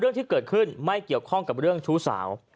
เรื่องที่เกิดขึ้นไม่เกี่ยวข้องกับเรื่องชู้สาว